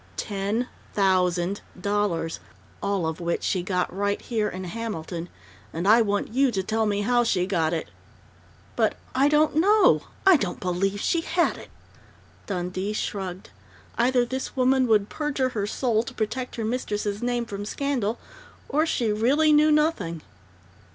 "Ten thousand dollars! All of which she got right here in Hamilton! And I want you to tell me how she got it!" "But I don't know! I don't believe she had it!" Dundee shrugged. Either this woman would perjure her soul to protect her mistress' name from scandal, or she really knew nothing.